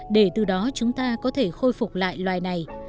để từ đó chúng ta có thể khôi phục lại loài này